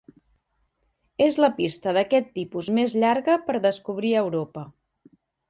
És la pista d'aquest tipus més llarga per descobrir a Europa.